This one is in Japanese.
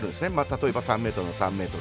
例えば３ｍなら３ｍ。